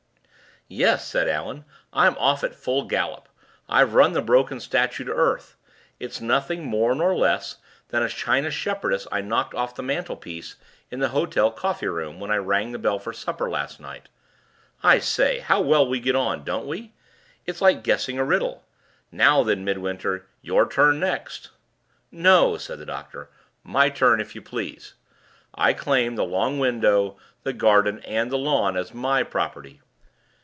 "Yes," said Allan. "I'm off at full gallop. I've run the broken statue to earth; it's nothing more nor less than a china shepherdess I knocked off the mantel piece in the hotel coffee room, when I rang the bell for supper last night. I say, how well we get on; don't we? It's like guessing a riddle. Now, then, Midwinter! your turn next." "No!" said the doctor. "My turn, if you please. I claim the long window, the garden, and the lawn, as my property.